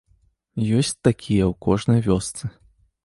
Ёсць такія ў кожнай вёсцы.